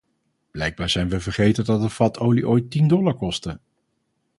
Blijkbaar zijn wij vergeten dat een vat olie ooit tien dollar kostte.